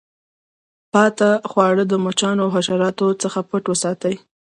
پاته خواړه د مچانو او حشراتو څخه پټ وساتئ.